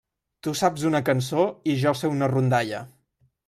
Tu saps una cançó i jo sé una rondalla.